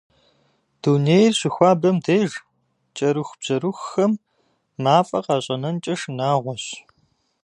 Дунейр щыхуабэм деж кӏэрыхубжьэрыхухэм мафӏэ къащӏэнэнкӏэ шынагъуэщ.